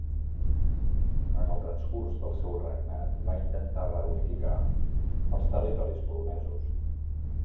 En el transcurs del seu regnat, va intentar reunificar els territoris polonesos.